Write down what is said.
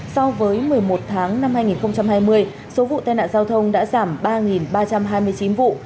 so với một mươi một tháng năm hai nghìn hai mươi số vụ tai nạn giao thông đã giảm ba ba trăm hai mươi chín vụ